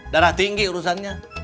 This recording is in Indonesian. darah tinggi urusannya